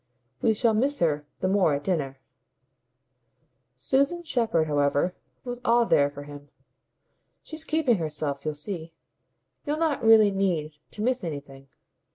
"We shall miss her the more at dinner." Susan Shepherd, however, was all there for him. "She's keeping herself. You'll see. You'll not really need to miss anything.